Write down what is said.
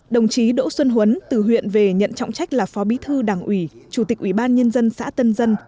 đồng chí đỗ xuân huấn từ huyện về nhận trọng trách là phó bí thư đảng ủy chủ tịch ủy ban nhân dân xã tân dân